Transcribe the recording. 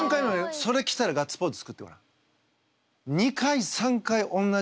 それ来たらガッツポーズ作ってごらん。